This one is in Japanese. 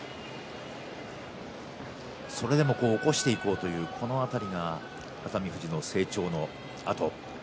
それでも起こしていこうというこの辺りが熱海富士の成長の跡。